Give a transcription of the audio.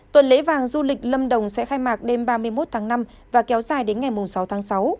tuần lễ vàng du lịch lâm đồng sẽ khai mạc đêm ba mươi một tháng năm và kéo dài đến ngày sáu tháng sáu